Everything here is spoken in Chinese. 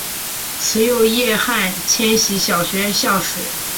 慈幼叶汉千禧小学校史